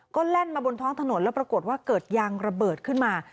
ก็แล่นมาบนท้องถนนแล้วปรากฏว่าเกิดยางระเบิดขึ้นมา